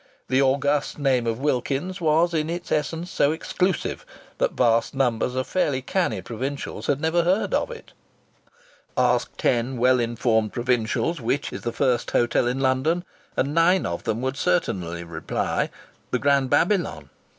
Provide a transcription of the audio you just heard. The august name of Wilkins's was in its essence so exclusive that vast numbers of fairly canny provincials had never heard of it. Ask ten well informed provincials which is the first hotel in London and nine of them would certainly reply, the Grand Babylon.